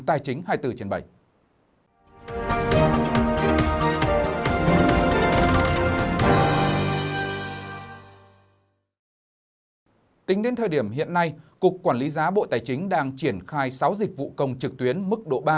tính đến thời điểm hiện nay cục quản lý giá bộ tài chính đang triển khai sáu dịch vụ công trực tuyến mức độ ba